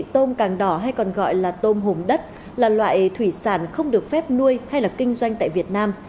tôm càng đỏ hay còn gọi là tôm hùm đất là loại thủy sản không được phép nuôi hay là kinh doanh tại việt nam